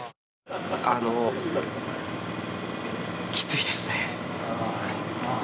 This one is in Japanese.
あのきついですね。